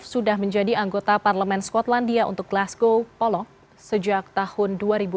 sudah menjadi anggota parlemen skotlandia untuk glasgow polo sejak tahun dua ribu enam belas